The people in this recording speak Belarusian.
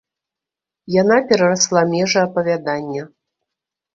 Яна перарасла межы апавядання.